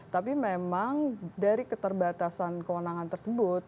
tapi memang dari keterbatasan kewenangan tersebut